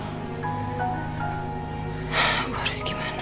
aku harus gimana